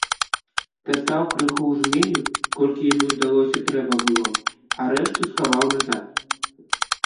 Дастаў крыху ў жменю, колькі яму здалося трэба было, а рэшту схаваў назад.